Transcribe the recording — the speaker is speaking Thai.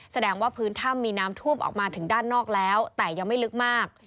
แสดงว่าพื้นถ้ำมีน้ำท่วมออกมาถึงด้านนอกแล้วแต่ยังไม่ลึกมาก